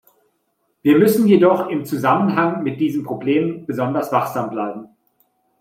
Wir müssen jedoch im Zusammenhang mit diesem Problem besonders wachsam bleiben.